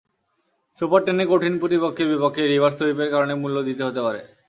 Super টেনে কঠিন প্রতিপক্ষের বিপক্ষে রিভার্স সুইপের কারণে মূল্য দিতে হতে পারে।